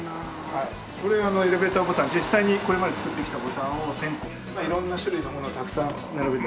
これはエレベーターボタン実際にこれまでつくってきたボタンを１０００個色んな種類のものをたくさん並べて。